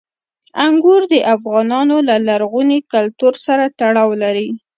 انګور د افغانانو له لرغوني کلتور سره تړاو لري.